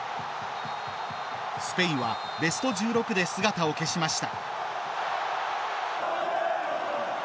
スペインはベスト１６で姿を消しました。